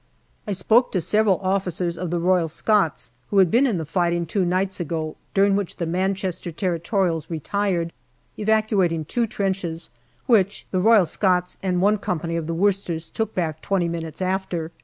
I spoke to several officers of the Royal Scots who had been in the fighting two nights ago, during which the Man chester Territorials retired, evacuating two trenches, which the Royal Scots and one company of the Worcesters took back twenty minutes after.